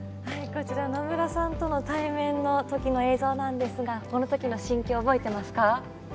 こちら野村さんとの対面のときの映像なんですがこのときの心境、覚えていますか？